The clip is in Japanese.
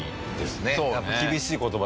やっぱ厳しい言葉ですね